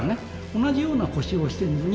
同じような腰をしてるのに。